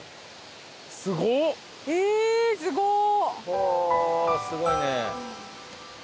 おすごいね。